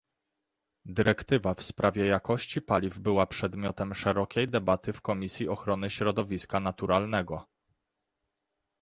Dyrektywa w sprawie jakości paliw była przedmiotem szerokiej debaty w Komisji Ochrony Środowiska Naturalnego